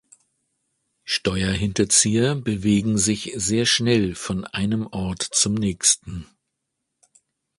Steuerhinterzieher bewegen sich sehr schnell von einem Ort zum nächsten.